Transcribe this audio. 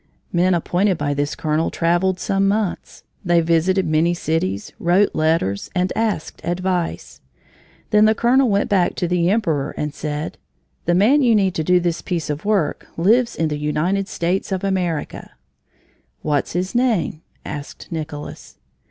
Men appointed by this colonel traveled some months. They visited many cities, wrote letters, and asked advice. Then the colonel went back to the emperor and said: "The man you need to do this piece of work lives in the United States of America." "What's his name?" asked Nicolas.